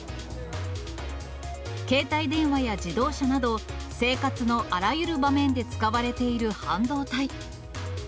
携帯電話や自動車など、生活のあらゆる場面で使われている半導体。